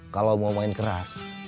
kalo mau main keras